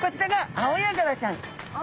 アオヤガラちゃん。